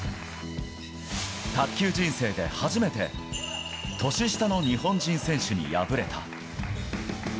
卓球人生で初めて、年下の日本人選手に敗れた。